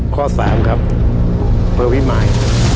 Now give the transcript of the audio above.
ข้อสามครับอำเภอพิมาย